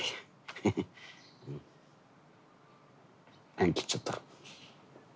縁切っちゃった。